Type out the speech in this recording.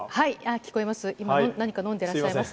聞こえます。